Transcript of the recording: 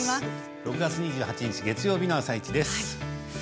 ６月２８日月曜日の「あさイチ」です。